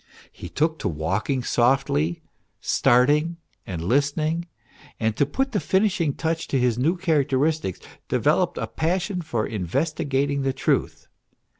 He took to walking softly, starting and listening, and to put the finishing touch to his new characteristics developed a passion for investigating the truth.